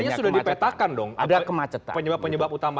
artinya sudah dipetakan dong penyebab penyebab utamanya